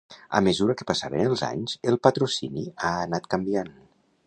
A mesura que passaven els anys, el patrocini ha anat canviant.